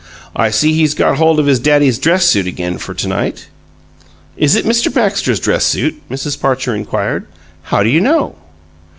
I see he's got hold of his daddy's dress suit again for to night." "Is it Mr. Baxter's dress suit?" Mrs. Parcher inquired. "How do you know?"